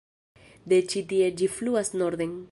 De ĉi-tie ĝi fluas norden.